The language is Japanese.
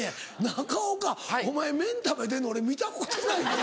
中岡お前麺食べてんの俺見たことないで。